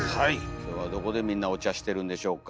今日はどこでみんなお茶してるんでしょうか。